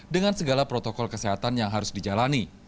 dengan segala protokol kesehatan yang harus dijalani